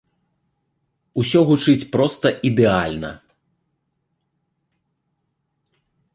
Усё гучыць проста ідэальна!